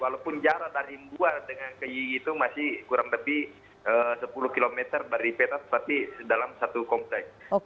walaupun jarak dari gua dengan ke yi itu masih kurang lebih sepuluh km dari peta tapi dalam satu komplek